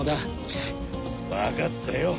チッ分かったよ。